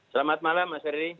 selamat malam mas herdi